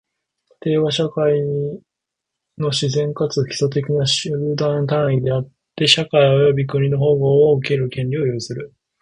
家庭は、社会の自然かつ基礎的な集団単位であって、社会及び国の保護を受ける権利を有する。